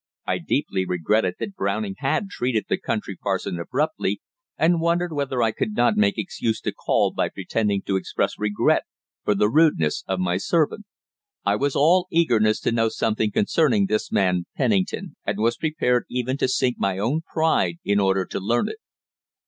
I deeply regretted that Browning had treated the country parson abruptly, and wondered whether I could not make excuse to call by pretending to express regret for the rudeness of my servant. I was all eagerness to know something concerning this man Pennington, and was prepared even to sink my own pride in order to learn it.